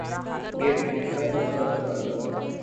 یہ بھونڈا استدلال ہے۔